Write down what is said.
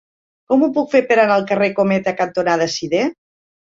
Com ho puc fer per anar al carrer Cometa cantonada Sidé?